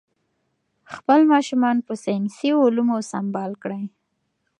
خپل ماشومان په ساینسي علومو سمبال کړئ.